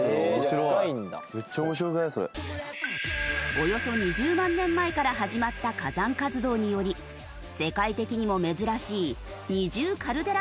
およそ２０万年前から始まった火山活動により世界的にも珍しい二重カルデラ湖となった十和田湖。